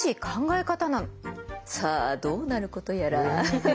さあどうなることやら。